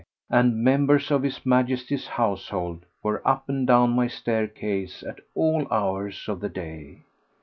and members of His Majesty's household, were up and down my staircase at all hours of the day.